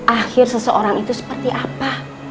akhir seseorang itu seperti apa